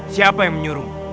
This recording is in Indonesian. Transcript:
siapa yang menyuruh